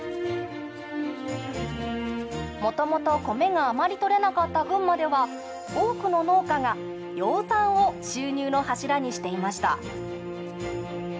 もともと米があまり取れなかった群馬では多くの農家が養蚕を収入の柱にしていました。